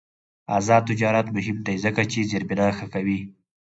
آزاد تجارت مهم دی ځکه چې زیربنا ښه کوي.